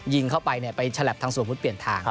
ยิงเข้าไปเนี่ยไปแชลปทางส่วนพุฒิเปลี่ยนทาง